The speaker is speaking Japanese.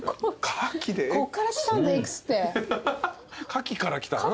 カキからきたん？